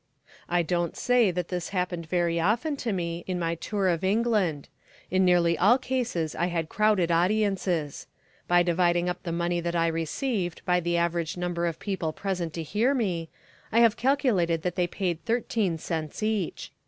I don't say that this happened very often to me in my tour in England. In nearly all cases I had crowded audiences: by dividing up the money that I received by the average number of people present to hear me I have calculated that they paid thirteen cents each.